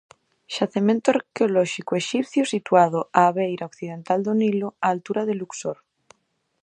Xacemento arqueolóxico exipcio situado á beira occidental do Nilo, á altura de Luxor.